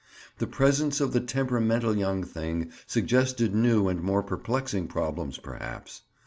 The presence of the temperamental young thing suggested new and more perplexing problems perhaps.